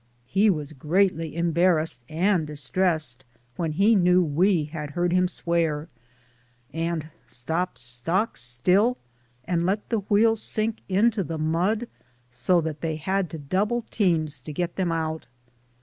He was greatly embarrassed and distressed when he 114 DAYS ON THE ROAD, knew we had heard him swear, and stopped stock still and let the wheels sink into the mud so that they had to double teams to get them out.